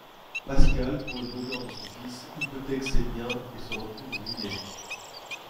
Pascal, pour le bonheur de son fils, hypothèque ses biens et se retrouve ruinée.